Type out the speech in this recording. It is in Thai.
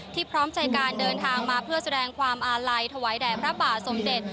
พร้อมใจการเดินทางมาเพื่อแสดงความอาลัยถวายแด่พระบาทสมเด็จ